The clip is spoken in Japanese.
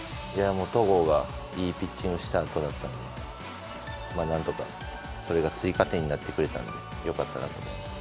戸郷がいいピッチングをしたあとだったので何とか、それが追加点になってくれたんで良かったなと思います。